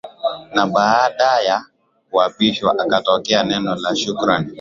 na baadaya kuapishwa akatoa neno la shukrani